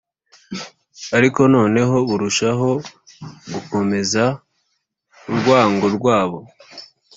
ariko noneho barushaho gukomeza urwango rwabo